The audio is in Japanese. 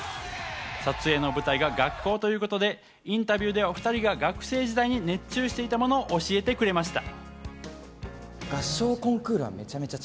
撮影の舞台が学校ということで、インタビューではお２人が学生時代に熱中していたものを教えてくれました。